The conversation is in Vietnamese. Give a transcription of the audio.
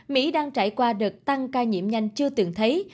mỹ đang trải qua đợt tăng ca nhiễm nhanh chưa từng thấy